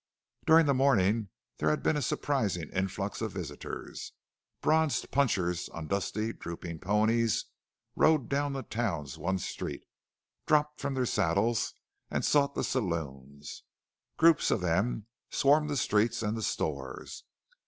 During the morning there had been a surprising influx of visitors. Bronzed punchers on dusty, drooping ponies rode down the town's one street, dropped from their saddles, and sought the saloons. Groups of them swarmed the streets and the stores.